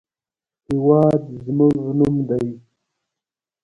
هېواد زموږ نوم دی